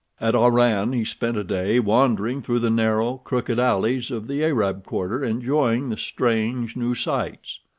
At Oran he spent a day wandering through the narrow, crooked alleys of the Arab quarter enjoying the strange, new sights.